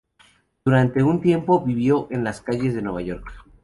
Durante un tiempo vivió en las calles de Nueva York.